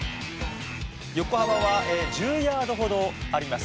横幅は１０ヤードほどあります。